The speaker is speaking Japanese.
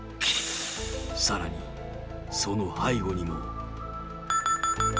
さらに、その背後にも。